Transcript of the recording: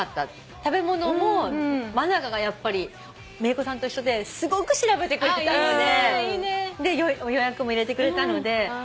食べ物も真香がやっぱりめいっ子さんと一緒ですごく調べてくれたので予約も入れてくれたので。